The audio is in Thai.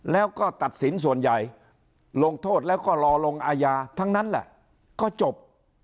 แล้วก็ตัดสินส่วนใหญ่ลงโทษแล้วก็รอลงอาญาทั้งนั้นแหละก็จบ